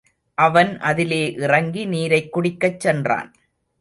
அவன் அதிலே இறங்கி நீரைக் குடிக்கச்சென்றான்.